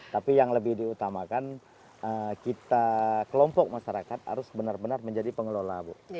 tapi yang lebih diutamakan kita kelompok masyarakat harus benar benar menjadi pengelola bu